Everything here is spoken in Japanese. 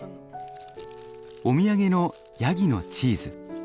お土産のヤギのチーズ。